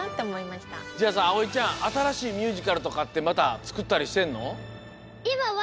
じゃあさあおいちゃんあたらしいミュージカルとかってまたつくったりしてんの？